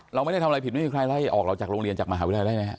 เราไม่ได้ทำอะไรผิดไม่มีใครไล่ออกเราจากโรงเรียนจากมหาวิทยาลัยได้ไหมครับ